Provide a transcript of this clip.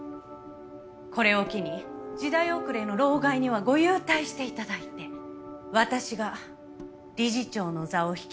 これを機に時代遅れの老害にはご勇退して頂いて私が理事長の座を引き継ぎます。